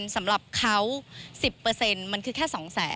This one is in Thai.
สำหรับเขา๑๐มันคือแค่๒แสน